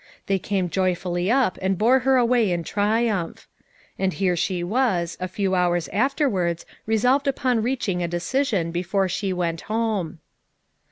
They came joyfully up and bore her away in triumph. And here she was, a few hours afterwards resolved upon reaching a decision before she went home.